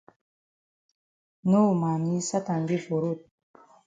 No mami Satan dey for road.